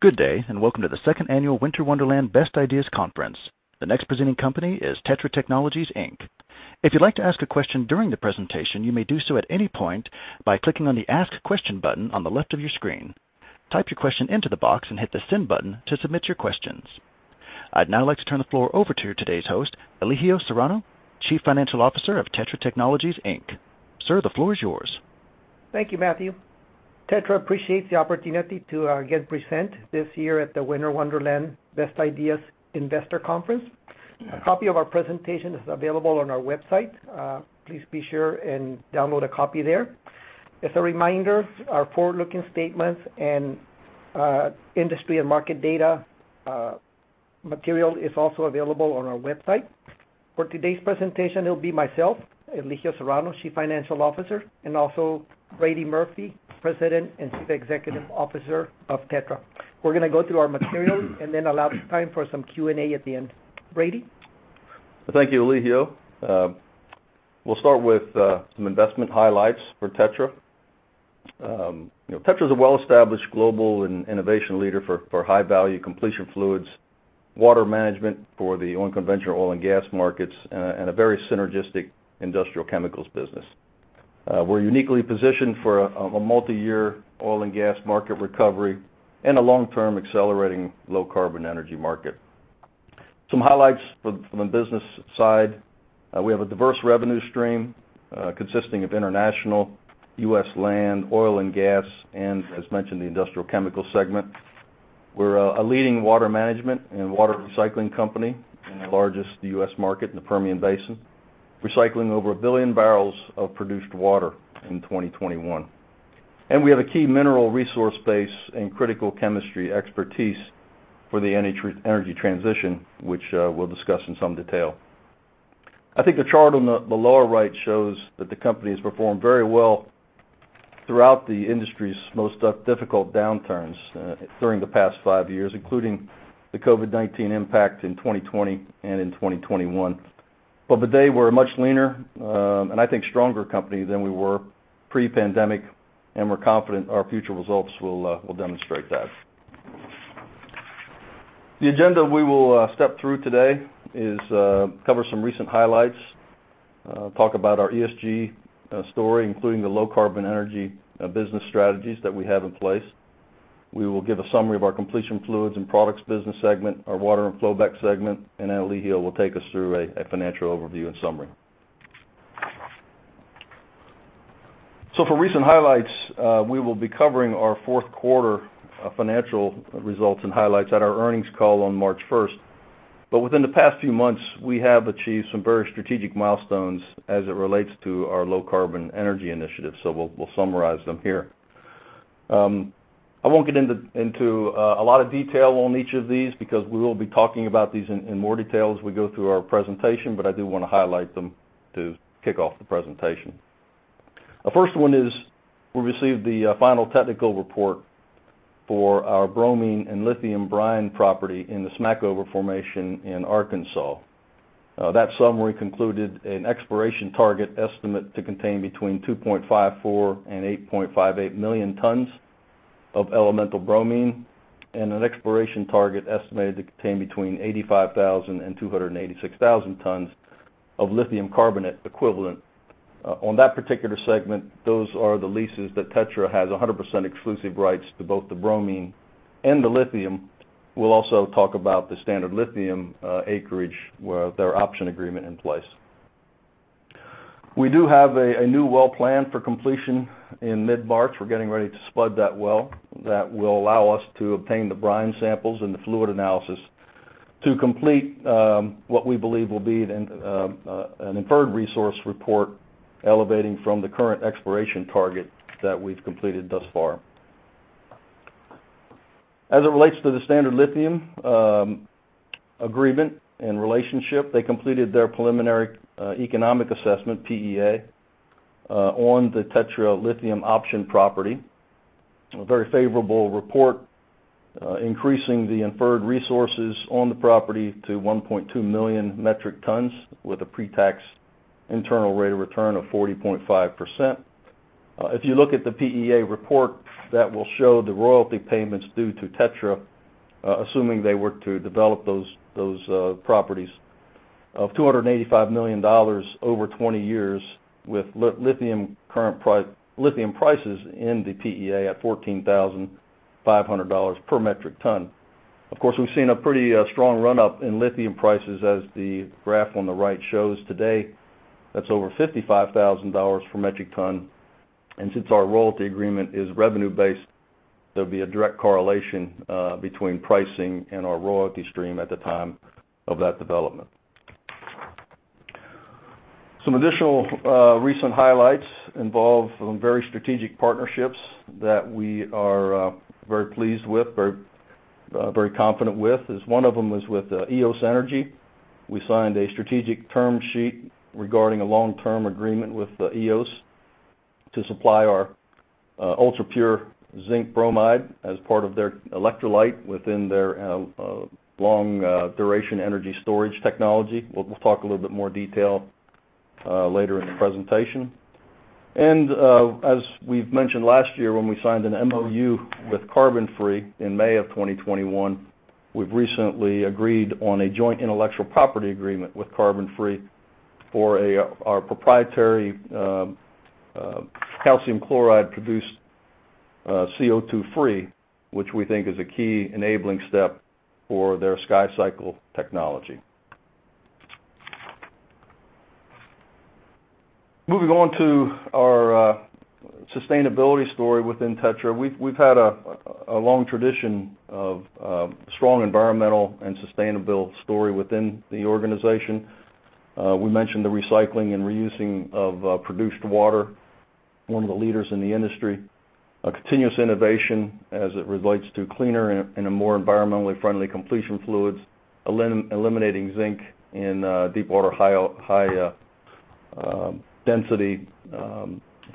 Good day, and welcome to the Second Annual Winter Wonderland Best Ideas Conference. The next presenting company is TETRA Technologies, Inc. If you'd like to ask a question during the presentation, you may do so at any point by clicking on the Ask Question button on the left of your screen. Type your question into the box and hit the send button to submit your questions. I'd now like to turn the floor over to today's host, Elijio Serrano, Chief Financial Officer of TETRA Technologies, Inc. Sir, the floor is yours. Thank you, Matthew. TETRA appreciates the opportunity to again present this year at the Winter Wonderland Best Ideas Investor Conference. A copy of our presentation is available on our website. Please be sure and download a copy there. As a reminder, our forward-looking statements and industry and market data material is also available on our website. For today's presentation, it'll be myself, Elijio Serrano, Chief Financial Officer, and also Brady Murphy, President and Chief Executive Officer of TETRA. We're gonna go through our materials and then allow time for some Q&A at the end. Brady? Thank you, Elijio. We'll start with some investment highlights for TETRA. You know, TETRA is a well-established global and innovation leader for high-value completion fluids, water management for the unconventional oil and gas markets, and a very synergistic industrial chemicals business. We're uniquely positioned for a multiyear oil and gas market recovery and a long-term accelerating low-carbon energy market. Some highlights from a business side. We have a diverse revenue stream consisting of international, U.S. land, oil and gas, and as mentioned, the industrial chemical segment. We're a leading water management and water recycling company and the largest U.S. market in the Permian Basin, recycling over 1 billion barrels of produced water in 2021. We have a key mineral resource base and critical chemistry expertise for the energy transition, which we'll discuss in some detail. I think the chart on the lower right shows that the company has performed very well throughout the industry's most difficult downturns during the past 5 years, including the COVID-19 impact in 2020 and in 2021. Today we're a much leaner and I think stronger company than we were pre-pandemic, and we're confident our future results will demonstrate that. The agenda we will step through today is cover some recent highlights, talk about our ESG story, including the low-carbon energy business strategies that we have in place. We will give a summary of our Completion Fluids and Products business segment, our Water and Flowback segment, and then Elijio will take us through a financial overview and summary. For recent highlights, we will be covering our 4th quarter financial results and highlights at our earnings call on March 1st. Within the past few months, we have achieved some very strategic milestones as it relates to our low-carbon energy initiatives. We'll summarize them here. I won't get into a lot of detail on each of these because we will be talking about these in more detail as we go through our presentation, but I do wanna highlight them to kick off the presentation. The first one is we received the final technical report for our bromine and lithium brine property in the Smackover Formation in Arkansas. That summary concluded an exploration target estimate to contain between 2.54-8.58 million tons of elemental bromine and an exploration target estimated to contain between 85,000-286,000 tons of lithium carbonate equivalent. On that particular segment, those are the leases that TETRA has 100% exclusive rights to both the bromine and the lithium. We'll also talk about the Standard Lithium acreage with their option agreement in place. We do have a new well plan for completion in mid-March. We're getting ready to spud that well. That will allow us to obtain the brine samples and the fluid analysis to complete what we believe will be an inferred resource report elevating from the current exploration target that we've completed thus far. As it relates to the Standard Lithium agreement and relationship, they completed their preliminary economic assessment, PEA, on the TETRA Lithium option property. A very favorable report increasing the inferred resources on the property to 1.2 million metric tons with a pretax internal rate of return of 40.5%. If you look at the PEA report, that will show the royalty payments due to TETRA assuming they were to develop those properties of $285 million over 20 years with current lithium prices in the PEA at $14,500 per metric ton. Of course, we've seen a pretty strong run-up in lithium prices as the graph on the right shows today. That's over $55,000 per metric ton, and since our royalty agreement is revenue-based, there'll be a direct correlation between pricing and our royalty stream at the time of that development. Some additional recent highlights involve some very strategic partnerships that we are very pleased with, very confident with. One of them is with Eos Energy. We signed a strategic term sheet regarding a long-term agreement with Eos to supply our ultrapure zinc bromide as part of their electrolyte within their long duration energy storage technology. We'll talk a little bit more detail later in the presentation. As we've mentioned last year when we signed an MOU with CarbonFree in May of 2021, we've recently agreed on a joint intellectual property agreement with CarbonFree for our proprietary calcium chloride-produced CO₂-free, which we think is a key enabling step for their SkyCycle technology. Moving on to our sustainability story within TETRA. We've had a long tradition of strong environmental and sustainability story within the organization. We mentioned the recycling and reusing of produced water, one of the leaders in the industry. A continuous innovation as it relates to cleaner and a more environmentally friendly completion fluids, eliminating zinc in deep water, high density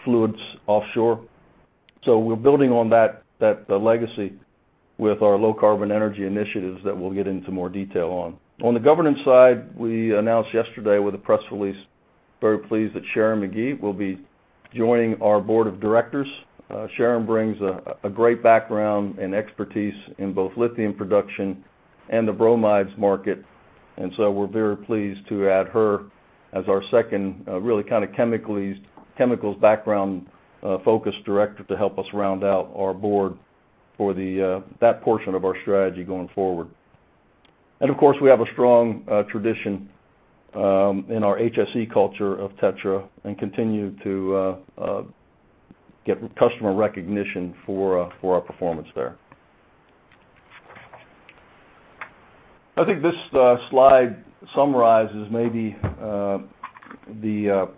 fluids offshore. We're building on that legacy with our low-carbon energy initiatives that we'll get into more detail on. On the governance side, we announced yesterday with a press release. Very pleased that Sharon McGee will be joining our board of directors. Sharon brings a great background and expertise in both lithium production and the bromides market. We're very pleased to add her as our second really kind of chemicals background focus director to help us round out our board for that portion of our strategy going forward. Of course, we have a strong tradition in our HSE culture of TETRA and continue to get customer recognition for our performance there. I think this slide summarizes maybe the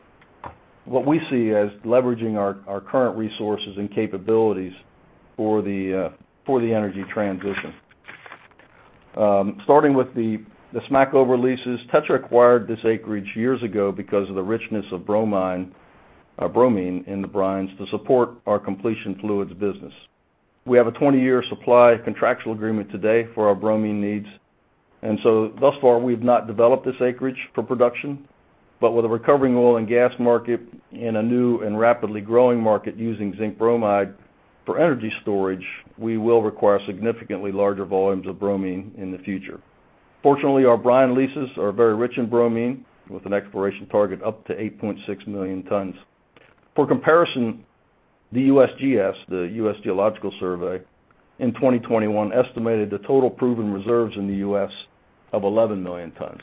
what we see as leveraging our current resources and capabilities for the energy transition. Starting with the Smackover leases. TETRA acquired this acreage years ago because of the richness of bromine in the brines to support our completion fluids business. We have a 20-year supply contractual agreement today for our bromine needs. Thus far, we've not developed this acreage for production. With a recovering oil and gas market and a new and rapidly growing market using zinc bromide for energy storage, we will require significantly larger volumes of bromine in the future. Fortunately, our brine leases are very rich in bromine, with an exploration target up to 8.6 million tons. For comparison, the USGS, the U.S. Geological Survey, in 2021 estimated the total proven reserves in the U.S. of 11 million tons.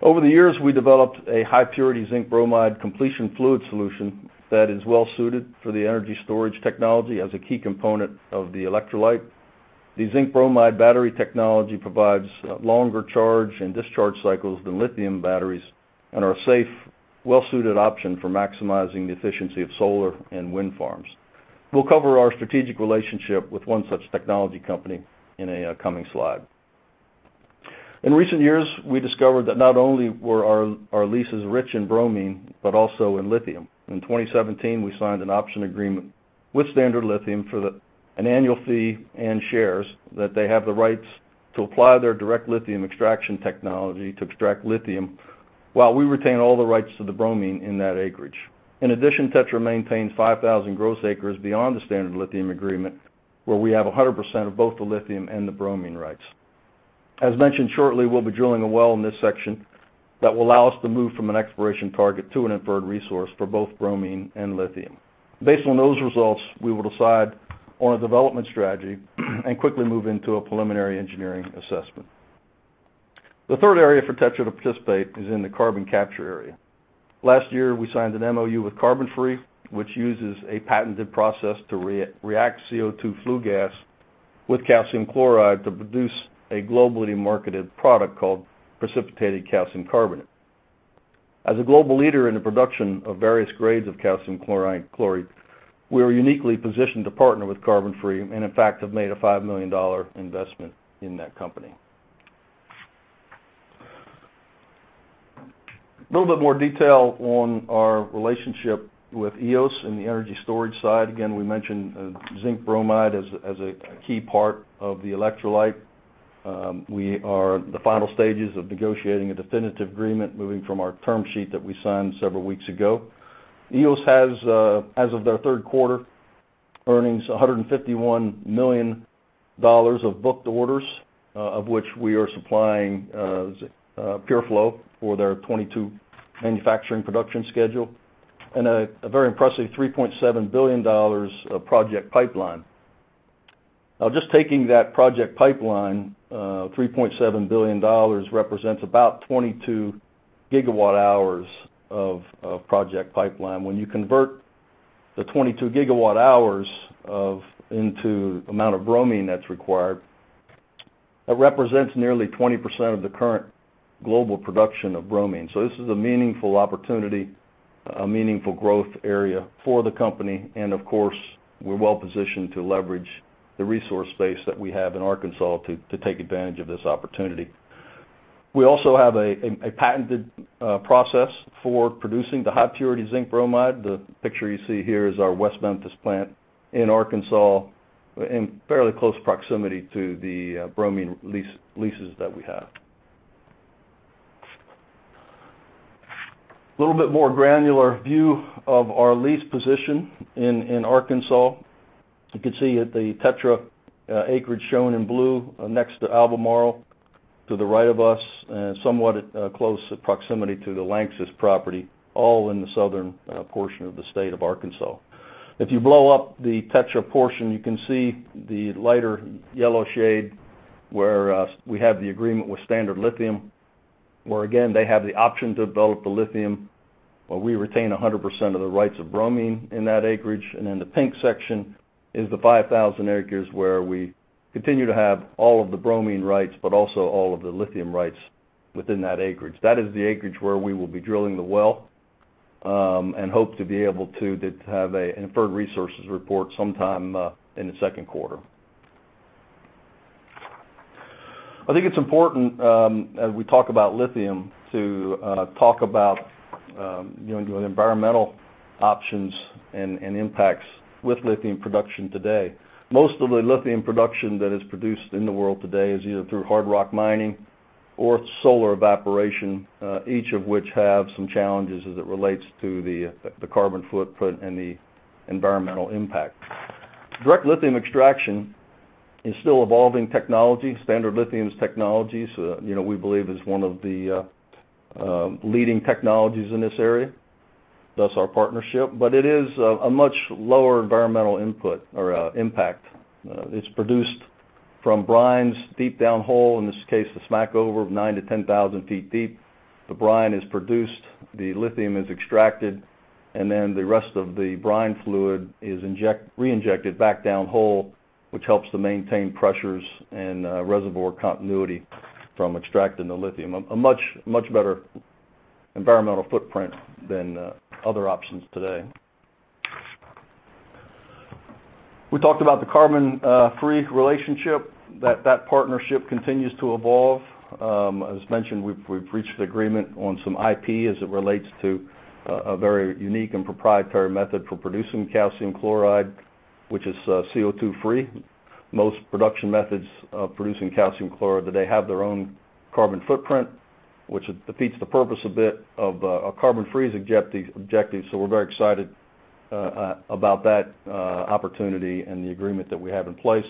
Over the years, we developed a high-purity zinc-bromide completion fluid solution that is well suited for the energy storage technology as a key component of the electrolyte. The zinc-bromide battery technology provides longer charge and discharge cycles than lithium batteries and are a safe, well-suited option for maximizing the efficiency of solar and wind farms. We'll cover our strategic relationship with one such technology company in a coming slide. In recent years, we discovered that not only were our leases rich in bromine, but also in lithium. In 2017, we signed an option agreement with Standard Lithium for an annual fee and shares that they have the rights to apply their Direct Lithium Extraction technology to extract lithium while we retain all the rights to the bromine in that acreage. In addition, TETRA maintains 5,000 gross acres beyond the Standard Lithium agreement, where we have 100% of both the lithium and the bromine rights. As mentioned, shortly, we'll be drilling a well in this section that will allow us to move from an exploration target to an inferred resource for both bromine and lithium. Based on those results, we will decide on a development strategy and quickly move into a preliminary engineering assessment. The third area for TETRA to participate is in the carbon capture area. Last year, we signed an MOU with CarbonFree, which uses a patented process to re-react CO₂ flue gas with calcium chloride to produce a globally marketed product called Precipitated Calcium Carbonate. As a global leader in the production of various grades of calcium chloride, we are uniquely positioned to partner with CarbonFree and, in fact, have made a $5 million investment in that company. Little bit more detail on our relationship with Eos in the energy storage side. Again, we mentioned zinc bromide as a key part of the electrolyte. We are in the final stages of negotiating a definitive agreement moving from our term sheet that we signed several weeks ago. Eos has, as of their third quarter, earnings $151 million of booked orders, of which we are supplying PureFlow for their 22 manufacturing production schedule and a very impressive $3.7 billion of project pipeline. Now just taking that project pipeline, $3.7 billion represents about 22 gigawatt-hours of project pipeline. When you convert the 22 gigawatt-hours into the amount of bromine that's required, that represents nearly 20% of the current global production of bromine. This is a meaningful opportunity, a meaningful growth area for the company. Of course, we're well-positioned to leverage the resource base that we have in Arkansas to take advantage of this opportunity. We also have a patented process for producing the high-purity zinc bromide. The picture you see here is our West Memphis plant in Arkansas, in fairly close proximity to the bromine leases that we have. A little bit more granular view of our lease position in Arkansas. You can see the TETRA acreage shown in blue next to Albemarle to the right of us, and somewhat at close proximity to the Lanxess property, all in the southern portion of the state of Arkansas. If you blow up the TETRA portion, you can see the lighter yellow shade where we have the agreement with Standard Lithium, where again, they have the option to develop the lithium, but we retain 100% of the rights of bromine in that acreage. The pink section is the 5,000 acres where we continue to have all of the bromine rights, but also all of the lithium rights within that acreage. That is the acreage where we will be drilling the well, and hope to have an inferred resources report sometime in the second quarter. I think it's important, as we talk about lithium to talk about, you know, doing environmental options and impacts with lithium production today. Most of the lithium production that is produced in the world today is either through hard rock mining or solar evaporation, each of which have some challenges as it relates to the carbon footprint and the environmental impact. Direct Lithium Extraction is still evolving technology. Standard Lithium's technologies, you know, we believe is one of the leading technologies in this area, thus our partnership. It is a much lower environmental input or impact. It's produced from brines deep down hole, in this case, the Smackover of 9,000-10,000 feet deep. The brine is produced, the lithium is extracted, and then the rest of the brine fluid is reinjected back down hole, which helps to maintain pressures and reservoir continuity from extracting the lithium. A much better environmental footprint than other options today. We talked about the CarbonFree relationship, that partnership continues to evolve. As mentioned, we've reached an agreement on some IP as it relates to a very unique and proprietary method for producing calcium chloride, which is CO₂ free. Most production methods producing calcium chloride, they have their own carbon footprint, which defeats the purpose a bit of our carbon-free objective. We're very excited about that opportunity and the agreement that we have in place.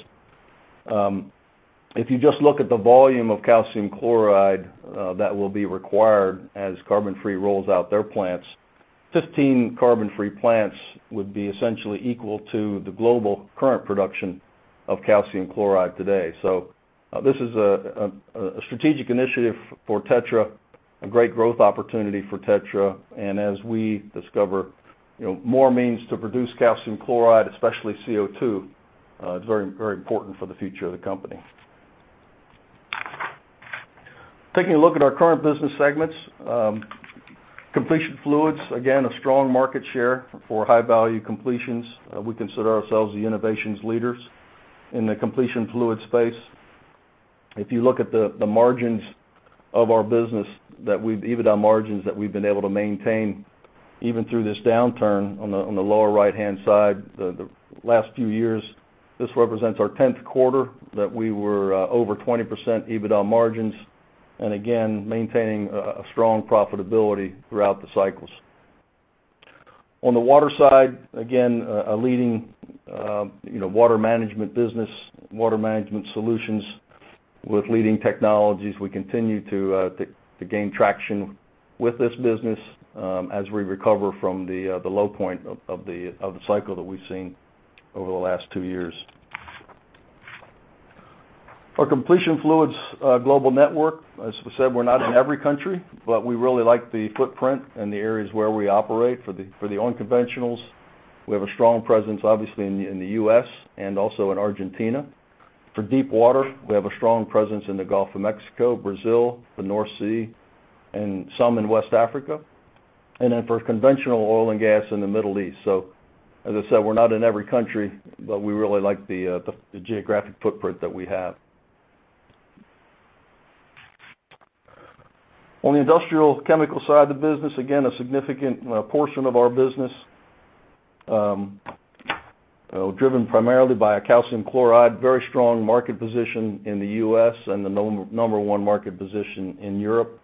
If you just look at the volume of calcium chloride that will be required as CarbonFree rolls out their plants, 15 CarbonFree plants would be essentially equal to the global current production of calcium chloride today. This is a strategic initiative for TETRA, a great growth opportunity for TETRA. As we discover, you know, more means to produce calcium chloride, especially CO₂, it's very, very important for the future of the company. Taking a look at our current business segments. Completion fluids, again, a strong market share for high-value completions. We consider ourselves the innovation leaders in the completion fluid space. If you look at the margins of our business that we've EBITDA margins that we've been able to maintain even through this downturn on the lower right-hand side, the last few years, this represents our tenth quarter that we were over 20% EBITDA margins, and again, maintaining a strong profitability throughout the cycles. On the water side, again, a leading, you know, water management business, water management solutions with leading technologies. We continue to gain traction with this business, as we recover from the low point of the cycle that we've seen over the last two years. Our completion fluids global network, as I said, we're not in every country, but we really like the footprint in the areas where we operate for the unconventionals. We have a strong presence, obviously in the U.S. and also in Argentina. For deep water, we have a strong presence in the Gulf of Mexico, Brazil, the North Sea, and some in West Africa. For conventional oil and gas in the Middle East. As I said, we're not in every country, but we really like the geographic footprint that we have. On the industrial chemical side of the business, again, a significant portion of our business, driven primarily by calcium chloride, very strong market position in the U.S. and the number one market position in Europe.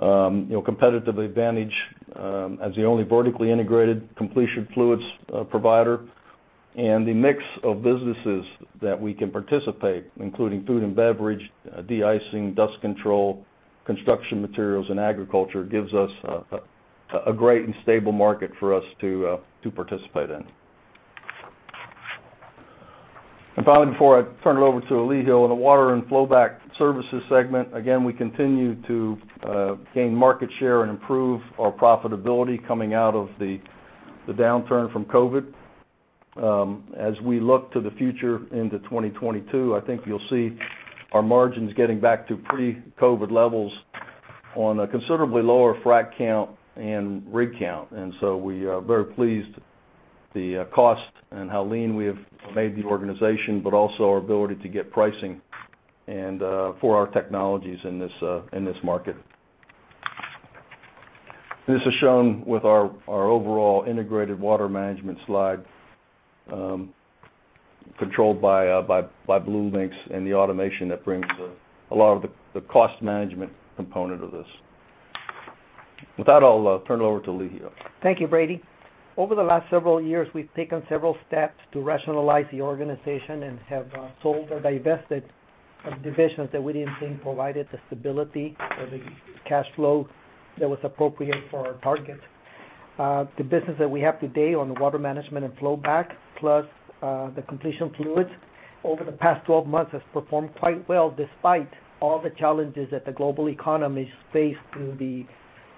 You know, competitive advantage, as the only vertically integrated completion fluids provider and the mix of businesses that we can participate, including food and beverage, de-icing, dust control, construction materials, and agriculture, gives us a great and stable market for us to participate in. Finally, before I turn it over to Elijio, in the water and flowback services segment, again, we continue to gain market share and improve our profitability coming out of the downturn from COVID. As we look to the future into 2022, I think you'll see our margins getting back to pre-COVID levels on a considerably lower frac count and rig count. We are very pleased with the cost and how lean we have made the organization, but also our ability to get pricing and for our technologies in this market. This is shown with our overall integrated water management slide, controlled by BlueLinx and the automation that brings a lot of the cost management component of this. With that, I'll turn it over to Elijio. Thank you, Brady. Over the last several years, we've taken several steps to rationalize the organization and have sold or divested of divisions that we didn't think provided the stability or the cash flow that was appropriate for our target. The business that we have today on the water management and flowback, plus the completion fluids over the past 12 months has performed quite well despite all the challenges that the global economy has faced through the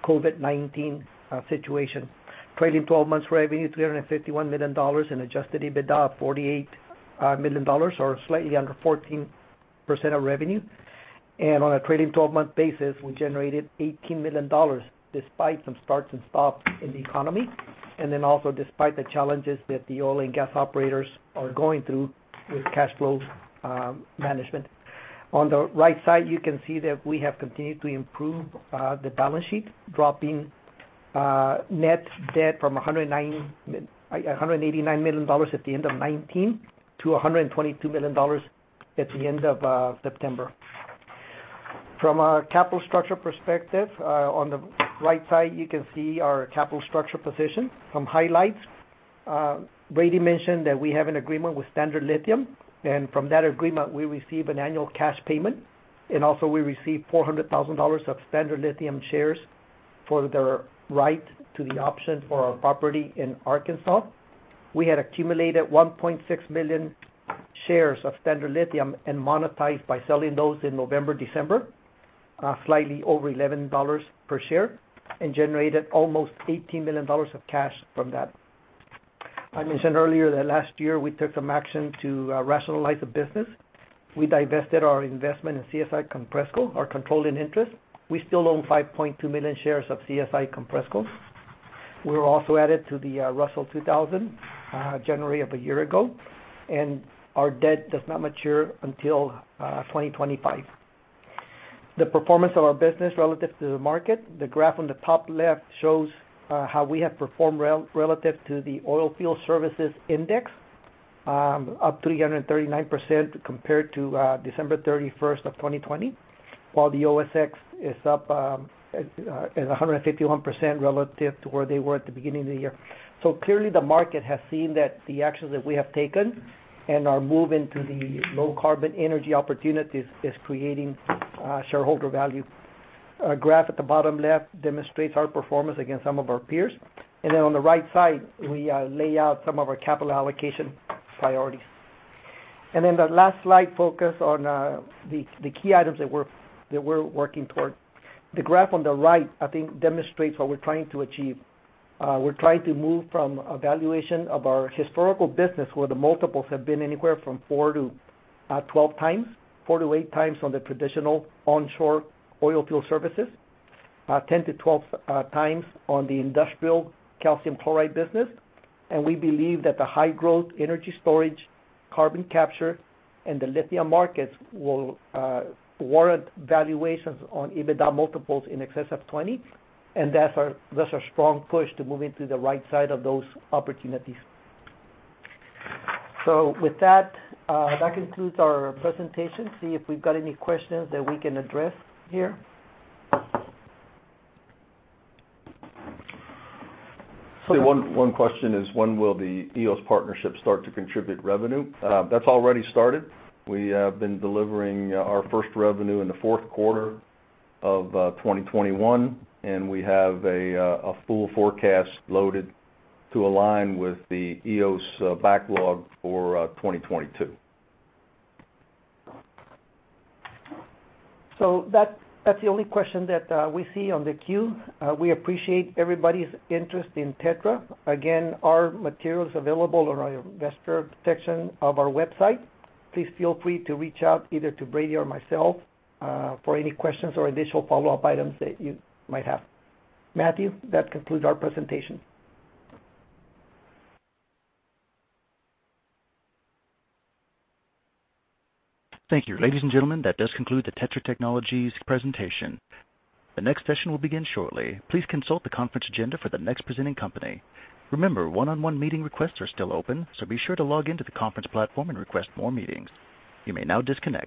COVID-19 situation. Trailing 12 months revenue, $351 million, and adjusted EBITDA, $48 million or slightly under 14% of revenue. On a trailing 12-month basis, we generated $18 million despite some starts and stops in the economy, and then also despite the challenges that the oil and gas operators are going through with cash flow management. On the right side, you can see that we have continued to improve the balance sheet, dropping net debt from $189 million at the end of 2019 to $122 million at the end of September. From a capital structure perspective, on the right side you can see our capital structure position. Some highlights, Brady mentioned that we have an agreement with Standard Lithium, and from that agreement we receive an annual cash payment, and also we receive $400,000 of Standard Lithium shares for their right to the option for our property in Arkansas. We had accumulated 1.6 million shares of Standard Lithium and monetized by selling those in November, December, slightly over $11 per share, and generated almost $18 million of cash from that. I mentioned earlier that last year we took some action to rationalize the business. We divested our investment in CSI Compressco, our controlling interest. We still own 5.2 million shares of CSI Compressco. We were also added to the Russell 2000 January of a year ago, and our debt does not mature until 2025. The performance of our business relative to the market. The graph on the top left shows how we have performed relative to the oilfield services index, up 339% compared to December 31, 2020, while the OSX is up at 151% relative to where they were at the beginning of the year. Clearly the market has seen that the actions that we have taken and our move into the low carbon energy opportunities is creating shareholder value. A graph at the bottom left demonstrates our performance against some of our peers. Then on the right side, we lay out some of our capital allocation priorities. Then the last slide focus on the key items that we're working toward. The graph on the right I think demonstrates what we're trying to achieve. We're trying to move from a valuation of our historical business where the multiples have been anywhere from 4x-12x, 4x-8x on the traditional onshore oilfield services, 10x-12x on the industrial calcium chloride business. We believe that the high growth energy storage, carbon capture, and the lithium markets will warrant valuations on EBITDA multiples in excess of 20, and that's our strong push to moving to the right side of those opportunities. With that concludes our presentation. See if we've got any questions that we can address here. One question is, when will the Eos partnership start to contribute revenue? That's already started. We have been delivering our first revenue in the fourth quarter of 2021, and we have a full forecast loaded to align with the Eos backlog for 2022. That's the only question that we see on the queue. We appreciate everybody's interest in TETRA. Again, our material's available on our investor section of our website. Please feel free to reach out either to Brady or myself for any questions or additional follow-up items that you might have. Matthew, that concludes our presentation. Thank you. Ladies and gentlemen, that does conclude the TETRA Technologies presentation. The next session will begin shortly. Please consult the conference agenda for the next presenting company. Remember, one-on-one meeting requests are still open, so be sure to log in to the conference platform and request more meetings. You may now disconnect.